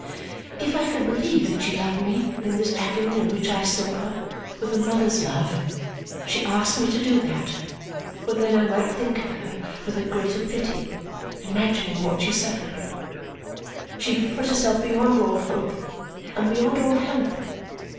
If I could believe that she loved me, in this agony in which I saw her, with a mother's love, she asked me to do that, for then I might think of her with a greater pity, imagining what she suffered. She had put herself beyond all hope and beyond all help.